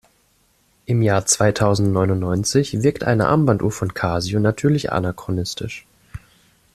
Im Jahr zweitausendneunundneunzig wirkt eine Armbanduhr von Casio natürlich anachronistisch.